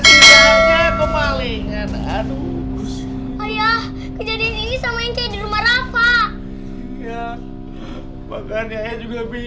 sinarnya kemalingan aduh ayah kejadian ini sama yang jadi rumah rafa